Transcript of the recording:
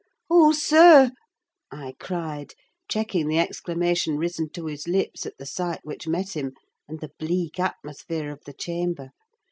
"Oh, sir!" I cried, checking the exclamation risen to his lips at the sight which met him, and the bleak atmosphere of the chamber.